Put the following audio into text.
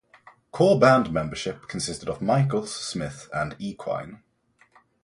Core band membership consisted of Michaels, Smith and Equine.